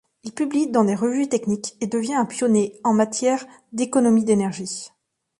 Il publie dans des revues techniques et devient un pionnier en matière d'économie d'énergie.